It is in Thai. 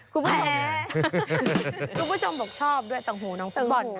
คุณผู้ชมบอกชอบด้วยต้องหูน้องฟังบอล